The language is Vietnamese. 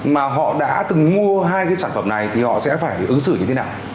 mà họ đã từng mua hai cái sản phẩm này thì họ sẽ phải ứng xử như thế nào